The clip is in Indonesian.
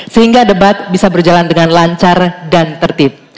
sehingga debat bisa berjalan dengan lancar dan tertib